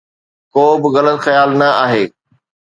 ڪو به غلط خيال نه آهي